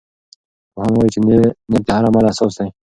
پوهان وایي چې نیت د هر عمل اساس دی.